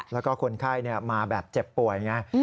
แล้วก็คนไข้มาแบบเจ็บป่วยไง